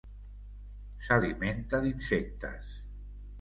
S'alimenta d'insectes.